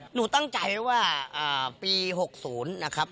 หนูตั้งใจไว้ว่าปี๖๐นะครับ